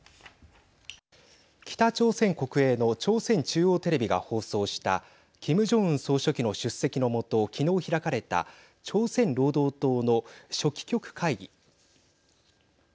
北朝鮮国営の朝鮮中央テレビが放送したキム・ジョンウン総書記の出席の下きのう開かれた朝鮮労働党の書記局会議。